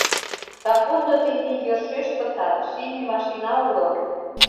Сапондо тений йӧршеш пыта, шийме машина уло...